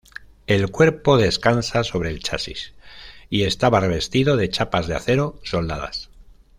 El cuerpo descansa sobre el chasis y estaba revestido de chapas de acero soldadas.